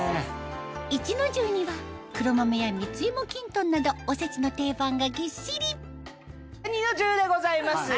壱の重には黒豆や蜜芋きんとんなどおせちの定番がぎっしり弍の重でございます。